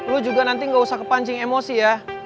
nanti gue nanti gak usah kepancing emosi ya